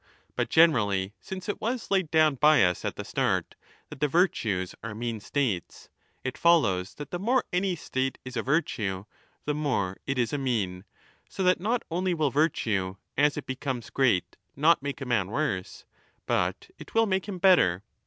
But generally, since it was laid down by us at the start ^ that the virtues are mean states, it follows that the more any state is a virtue, the more it is a mean ; so that not only will virtue as it becomes great not make a man worse, but it will make him better.